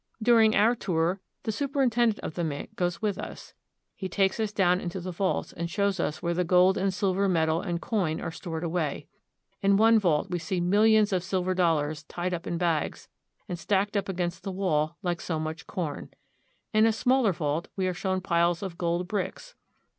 During our tour the superintendent of the mint goes with us. He takes us down into the vaults and shows us where the gold and silver metal and coin are stored away. Interior of Money Vaults, Philadelphia Mint. In one vault we see millions of silver dollars tied up in bags, and stacked up against the wall like so much corn. In a smaller vault we are shown piles of gold bricks.